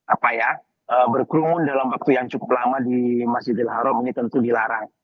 apa ya berkerumun dalam waktu yang cukup lama di masjidil haram ini tentu dilarang